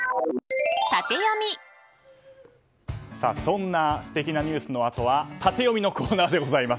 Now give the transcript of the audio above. そんな素敵なニュースのあとはタテヨミのコーナーでございます。